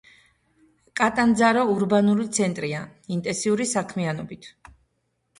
კატანძარო ურბანული ცენტრია, ინტენსიური საქმიანობით.